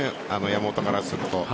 山本からすると。